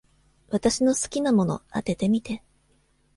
私の好きなもの、当ててみて。